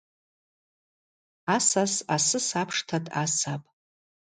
Асас асыс апшта дъасапӏ.